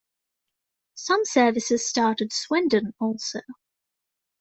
Some services start at Swindon also.